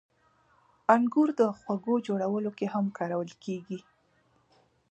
• انګور د خوږو جوړولو کې هم کارول کېږي.